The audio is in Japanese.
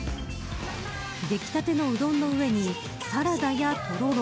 出来立てのうどんの上にサラダやとろろ